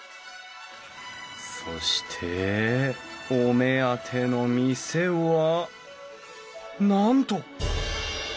そしてお目当ての店はなんと！